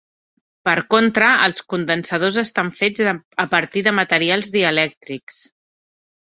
Per contra, els condensadors estan fets a partir de materials dielèctrics.